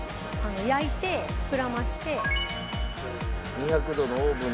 焼いて膨らませて」